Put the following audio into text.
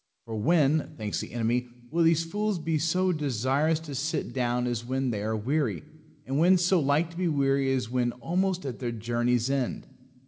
For when, thinks the enemy, will these fools be so desirous to sit down as when they are weary, and when so like to be weary as when almost at their journey's end?